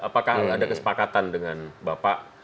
apakah ada kesepakatan dengan bapak